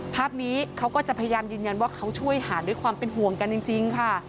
ภาพนี้เขาก็จะพยายามยืนยันว่าเขาช่วยหาด้วยความเป็นห่วงกันจริงค่ะ